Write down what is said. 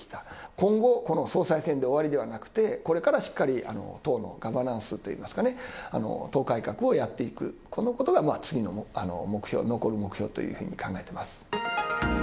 今後、この総裁選で終わりではなくて、これからしっかり党のガバナンスといいますか、党改革をやっていく、このことが次の目標、残りの目標というふうに考えています。